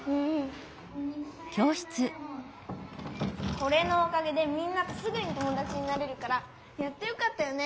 これのおかげでみんなとすぐにともだちになれるからやってよかったよね。